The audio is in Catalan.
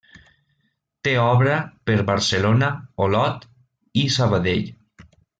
Té obra per Barcelona, Olot i Sabadell.